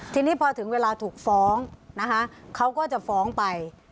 ทีนี้พอถึงเวลาถูกฟ้องนะคะเขาก็จะฟ้องไป